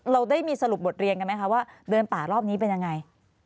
เราได้มีสรุปบทเรียนกันไหมคะว่าเดินป่ารอบนี้เป็นยังไง